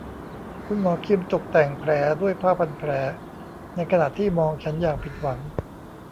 คุณหมอคิมตกแต่งแผลด้วยผ้าพันแผลในขณะที่มองฉันอย่างผิดหวัง